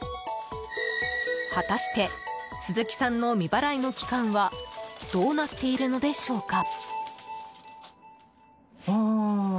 果たして鈴木さんの未払いの期間はどうなっているのでしょうか。